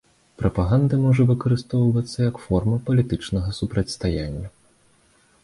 Прапаганда можа выкарыстоўвацца як форма палітычнага супрацьстаяння.